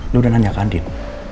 lo udah nanya ke andin